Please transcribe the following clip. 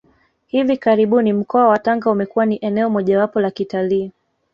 Hivi karibuni mkoa wa Tanga umekuwa ni eneo mojawapo la kitalii